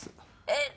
えっ。